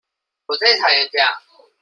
我最討厭這樣